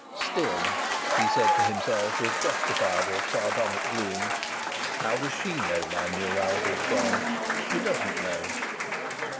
"Still," he said to himself with justifiable sardonic gloom, "how does she know my neuralgia's gone? She doesn't know."